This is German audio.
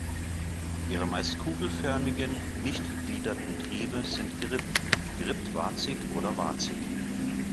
Ihre meist kugelförmigen, nicht gegliederten Triebe sind gerippt, gerippt-warzig oder warzig.